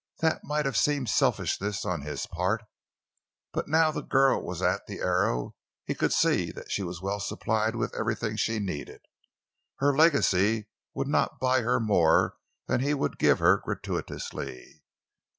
That might have seemed selfishness on his part, but now that the girl was at the Arrow he could see that she was well supplied with everything she needed. Her legacy would not buy her more than he would give her gratuitously.